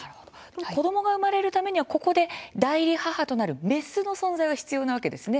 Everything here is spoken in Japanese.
子どもが生まれるためにはここで代理母となるメスの存在は必要なわけですね。